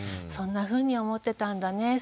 そんなふうに思ってたんだね